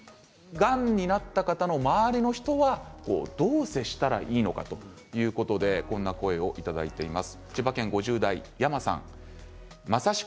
がんになった方の周りの人はどう接したらいいのかということでこんな声をいただいています。